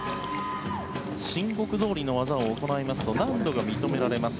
申告どおりの技を行いますと難度が認められます。